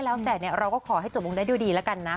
แล้วแต่เราก็ขอให้จบงงได้ดีแล้วกันนะ